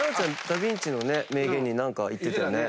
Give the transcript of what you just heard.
ダ・ヴィンチの名言に何か言ってたね。